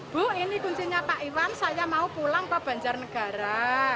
bu ini kuncinya pak iwan saya mau pulang ke banjarnegara